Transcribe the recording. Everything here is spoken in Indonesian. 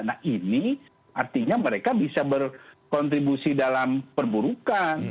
nah ini artinya mereka bisa berkontribusi dalam perburukan